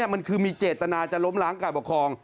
มันคือมีเจตนาจะล้มล้างการปกครอง